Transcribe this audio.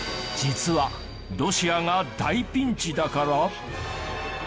実はロシアが大ピンチだから！？